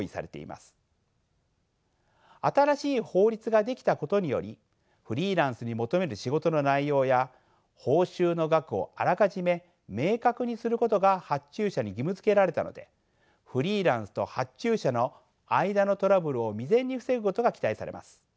新しい法律が出来たことによりフリーランスに求める仕事の内容や報酬の額をあらかじめ明確にすることが発注者に義務づけられたのでフリーランスと発注者の間のトラブルを未然に防ぐことが期待されます。